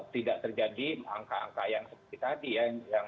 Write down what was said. tidak terjadi angka angka yang seperti tadi ya